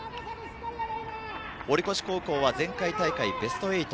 堀越高校は前回大会ベスト８。